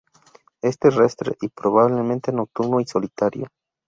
Es terrestre y probablemente nocturno y solitario.